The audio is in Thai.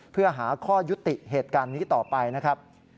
เพื่อหาข้อยุติเหตุการณ์นี้ต่อไปนะครับ